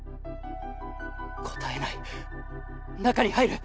応えない中に入る！